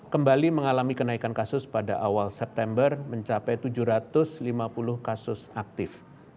kembali mengalami kenaikan kasus pada awal september mencapai tujuh ratus lima puluh kasus aktif